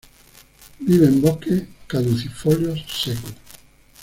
Vive en bosques caducifolios secos.